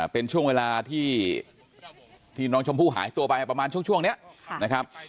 เป็นช่วงเวลาที่น้องชมพู่หายตัวไปประมาณช่วงนี้นะครับ